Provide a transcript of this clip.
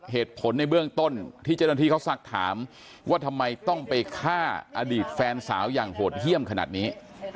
เหตุผลในเบื้องต้นที่เจ้าหน้าที่เขาซักถามว่าทำไมต้องไปฆ่าอดีตแฟนสาวอย่างโหดเยี่ยมขนาดนี้